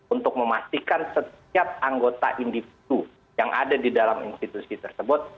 untuk memastikan setiap anggota individu yang ada di dalam institusi tersebut